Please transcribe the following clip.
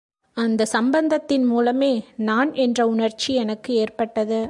அந்தச் சம்பந்தத்தின் மூலமே நான் என்ற உணர்ச்சி எனக்கு ஏற்பட்டது.